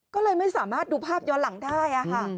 ก็เลยไม่สามารถดูภาพย้อนหลังได้ค่ะ